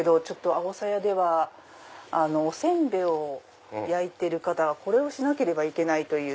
あおさやではお煎餅を焼いてる方はこれをしなければいけないという。